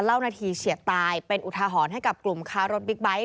เล่านาทีเฉียดตายเป็นอุทาหรณ์ให้กับกลุ่มค้ารถบิ๊กไบท์